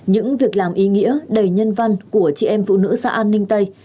những việc làm ý nghĩa đầy nhân văn của chị em phụ nữ xã an ninh tây